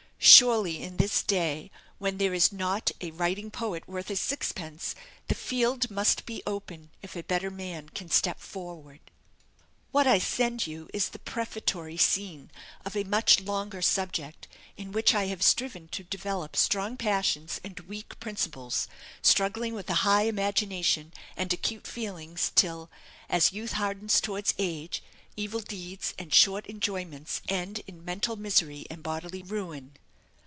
Surely, in this day, when there is not a writing poet worth a sixpence, the field must be open, if a better man can step forward. "What I send you is the Prefatory Scene of a much longer subject, in which I have striven to develop strong passions and weak principles struggling with a high imagination and acute feelings, till, as youth hardens towards age, evil deeds and short enjoyments end in mental misery and bodily ruin.